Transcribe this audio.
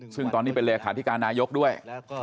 ซึ่งตอนนี้เป็นเลขาธิการนายกด้วย